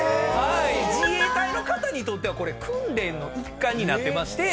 自衛隊の方にとってはこれ訓練の一環になってまして。